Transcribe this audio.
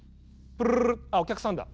あお客さんだ。